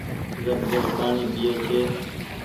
زر زر پآڻيٚ پئي ڇي۔